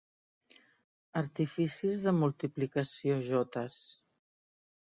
Artificis de multiplicació jotes...